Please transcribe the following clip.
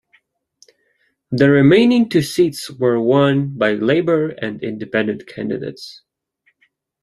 The remaining two seats were won by Labour and Independent candidates.